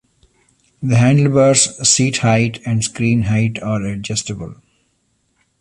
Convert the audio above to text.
The handlebars, seat height, and screen height are adjustable.